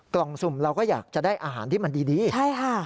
กล่องสุ่มเราก็อยากจะได้อาหารที่มันดีดีใช่ค่ะ